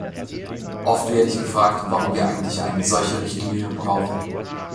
Oft werde ich gefragt, warum wir eigentlich eine solche Richtlinie brauchen.